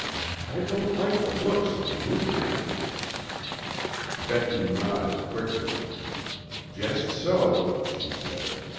I don't like the looks of the new men." Becky nodded quickly. "Just so," she said.